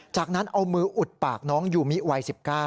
จากนั้นเอามืออุดปากน้องยูมิวัย๑๙